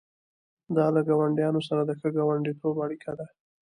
دا له ګاونډیانو سره د ښه ګاونډیتوب اړیکه ده.